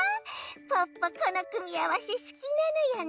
ポッポこのくみあわせすきなのよね。